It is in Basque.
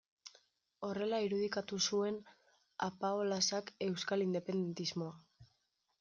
Horrela irudikatu zuen Apaolazak euskal independentismoa.